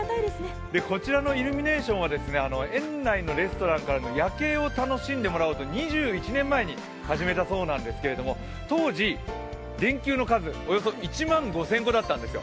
こちらのイルミネーションは園内のレストランから夜景を楽しんでもらおうと２１年前に始めたそうなんですけれども当時、電球の数およそ１万５０００個だったんですよ。